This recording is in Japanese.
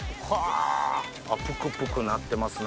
プクプクなってますね